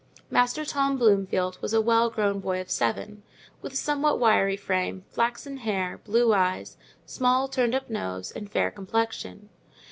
Master Tom Bloomfield was a well grown boy of seven, with a somewhat wiry frame, flaxen hair, blue eyes, small turned up nose, and fair complexion.